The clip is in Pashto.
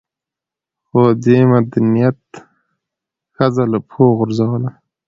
خو دې مدنيت ښځه له پښو وغورځوله